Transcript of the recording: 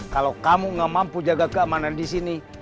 kalau kamu gak mampu jaga keamanan